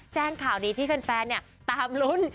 แจ้งข่าวนี้ที่แฟนเนี่ยตามลุ้น